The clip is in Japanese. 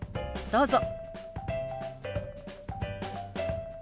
どうぞ。